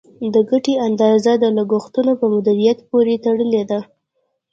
د ګټې اندازه د لګښتونو په مدیریت پورې تړلې ده.